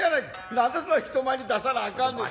何でそない人前に出さなあかんねん。